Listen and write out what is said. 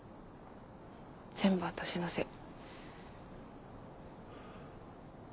全部私のせい。